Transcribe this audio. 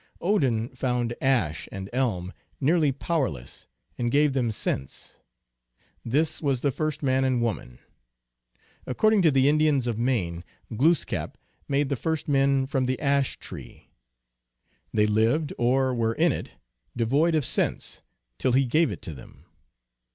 Odin found Ash and Elm " nearly powerless," and gave them sense. This was the first man and woman. Ac cording to the Indians of Maine, Glooskap made the first men from the ash tree. They lived or were in it, " devoid of sense " till he gave it to them.